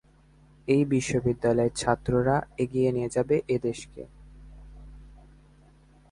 এই বিশ্ববিদ্যালয়ের ছাত্ররা এগিয়ে নিয়ে যাবে এদেশেকে।